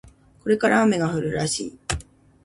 これから雨が降るらしい